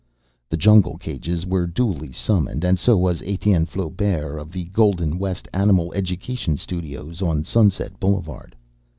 The jungle cages were duly summoned and so was Etienne Flaubert of the Golden West Animal Education Studios on Sunset Boulevard.